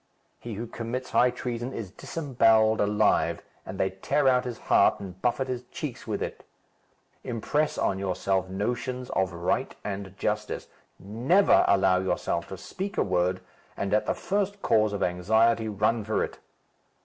He who commits high treason is disembowelled alive, and they tear out his heart and buffet his cheeks with it. Impress on yourself notions of right and justice. Never allow yourself to speak a word, and at the first cause of anxiety, run for it.